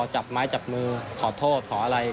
จับไม้จับมือขอโทษขออะไร